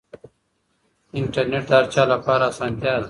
انټرنیټ د هر چا لپاره اسانتیا ده.